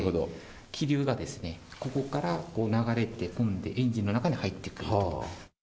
気流がここから流れ込んで、エンジンの中に入ってくると。